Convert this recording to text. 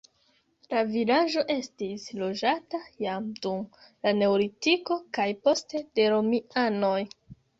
La vilaĝo estis loĝata jam dum la neolitiko kaj poste de romianoj.